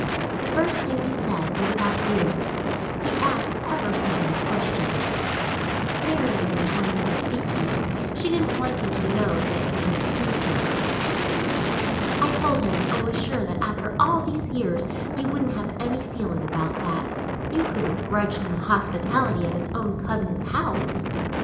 The first thing he said was about you; he asked ever so many questions. Marian didn't want me to speak to you; she didn't want you to know that they receive him. I told him I was sure that after all these years you couldn't have any feeling about that; you couldn't grudge him the hospitality of his own cousin's house.